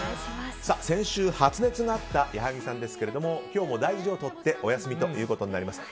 先週、発熱があった矢作さんですけれども今日も大事を取ってお休みとなります。